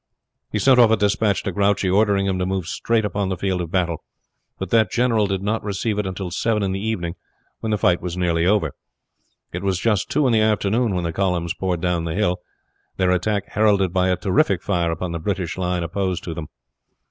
He sent off a despatch to Grouchy ordering him to move straight upon the field of battle; but that general did not receive it until seven in the evening, when the fight was nearly over. It was just two when the columns poured down the hill, their attack heralded by a terrific fire upon the British line opposed to them.